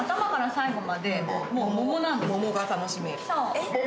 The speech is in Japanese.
桃が楽しめる。